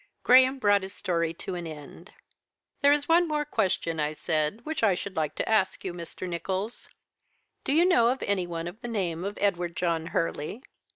Graham brought his story to an end. "'There is one more question', I said, 'which I should like to ask you, Mr. Nicholls. Do you know any one of the name of Edward John Hurley?'